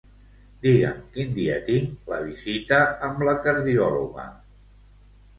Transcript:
Digue'm quin dia tinc la visita amb la cardiòloga.